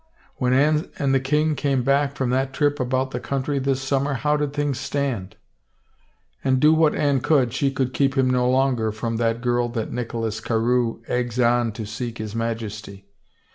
When Anne and the king came back from that trip about the country this summer how did things stand? And do what Anne could, she could keep him no longer from that girl that Nicholas Carewe eggs on to seek his Majesty.